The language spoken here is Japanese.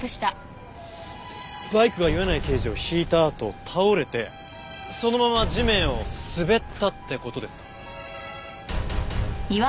バイクが岩内刑事をひいたあと倒れてそのまま地面を滑ったって事ですか？